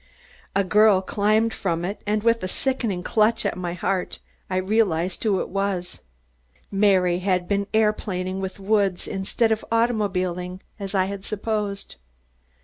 A girl climbed from it, and with a sickening clutch at my heart I recognized who it was. Mary had been aeroplaning with Woods instead of automobiling as I had supposed.